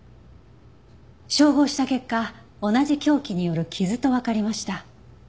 照合した結果同じ凶器による傷とわかりました。